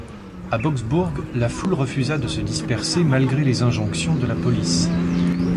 À Boksburg, la foule refusa de se disperser malgré les injonctions de la police.